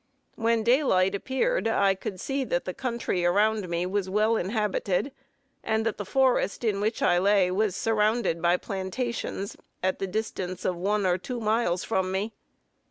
When daylight appeared, I could see that the country around me was well inhabited, and that the forest in which I lay was surrounded by plantations, at the distance of one or two miles from me.